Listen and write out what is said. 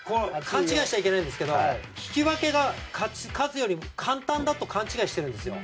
勘違いしちゃいけないんですけど引き分けが勝つより簡単だと勘違いしてるんですよ。